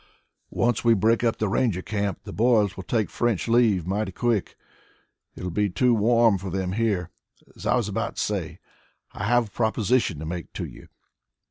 Once we break up the Ranger camp the boys will take French leave mighty quick. It will be too warm for them here. As I was about to say, I have a proposition to make to you.